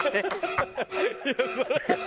ハハハハ！